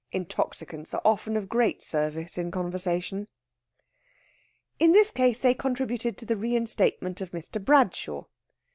Intoxicants are often of great service in conversation. In this case they contributed to the reinstatement of Mr. Bradshaw.